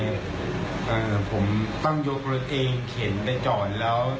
เอ่อผมต้องยกรถเองเข็นไปจอดแล้ว